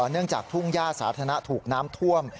เนื่องจากทุ่งย่าสาธารณะถูกน้ำท่วม